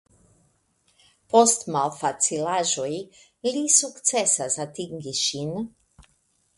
Post malfacilaĵoj li sukcesas atingi ŝin.